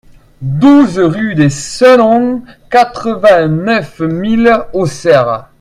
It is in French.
douze rue des Senons, quatre-vingt-neuf mille Auxerre